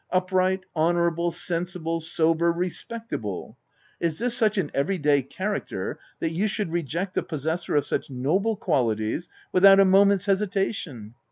Upright, honourable, sensible, sober, respectable !— Is this such an every day character, that you should reject the possessor of such noble qualities, without a moment's hesitation?